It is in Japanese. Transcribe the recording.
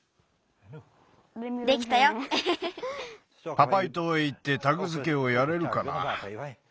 パパイとうへいってタグづけをやれるかな？